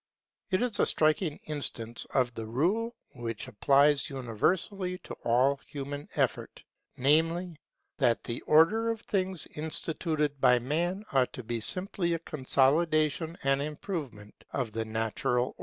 It is a striking instance of the rule which applies universally to all human effort; namely, that the order of things instituted by man ought to be simply a consolidation and improvement of the natural order.